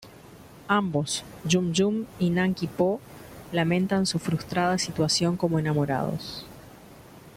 Ambos, Yum-Yum y Nanki-Poo, lamentan su frustrada situación como enamorados.